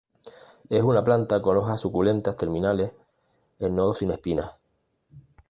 Es una planta con hojas suculentas terminales en nodos sin espinas.